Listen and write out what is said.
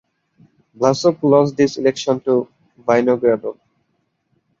Vlasov lost this election to Vinogradov.